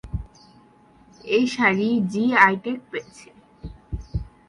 এই sari G I tag পেয়েছে।